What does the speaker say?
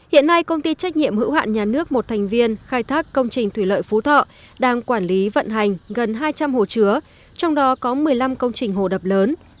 hiện nay công ty trách nhiệm hữu hạn nhà nước một thành viên khai thác công trình thủy lợi phú thọ đang quản lý vận hành gần hai trăm linh hồ chứa trong đó có một mươi năm công trình hồ đập lớn